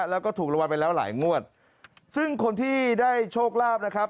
แล้วก็ถูกรางวัลไปแล้วหลายงวดซึ่งคนที่ได้โชคลาภนะครับ